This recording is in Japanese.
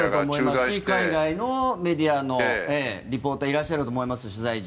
海外のメディアのリポートの取材陣がいらっしゃると思います。